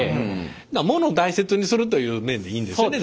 物大切にするという面でいいんですよね。